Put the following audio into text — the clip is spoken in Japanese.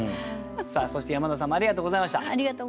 そして山田さんもありがとうございました。